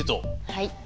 はい。